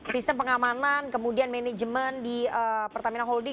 sistem pengamanan kemudian manajemen di pertamina holding